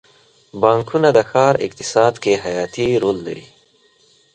بانکونه د ښار اقتصاد کې حیاتي رول لري.